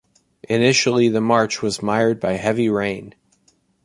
Initially the march was mired by heavy rain.